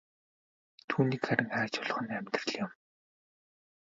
Түүнийг харин хайж олох нь амьдрал юм.